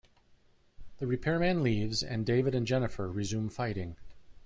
The repairman leaves, and David and Jennifer resume fighting.